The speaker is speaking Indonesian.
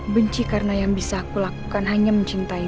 benci karena yang bisa aku lakukan hanya mencintai